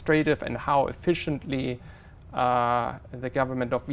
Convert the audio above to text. tôi nghĩ đặc biệt như tôi đã nói